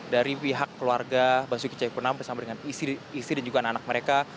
dari pihak keluarga basuki cahayapurnama bersama dengan istri dan juga anak anak mereka